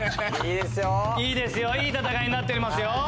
いいですよいい戦いになっておりますよ。